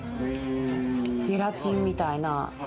ゼラチンみたいな。